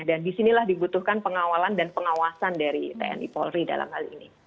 dan di sinilah dibutuhkan pengawalan dan pengawasan dari tni polri dalam hal ini